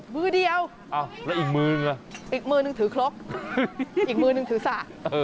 มือเดียวอ้าวแล้วอีกมือนึงอะไรอีกมือนึงถือคล็อกอีกมือนึงถือสาก